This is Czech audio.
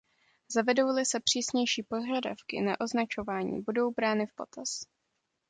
Zavedou-li se přísnější požadavky na označování, budou brány v potaz.